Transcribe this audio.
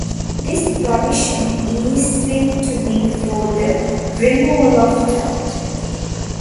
This provision is said to be for the removal of doubt.